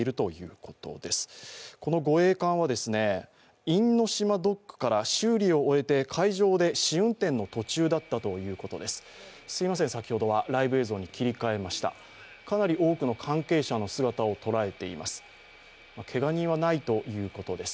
この護衛艦は、因島ドックから修理を終えて海上で試運転の途中だったということです。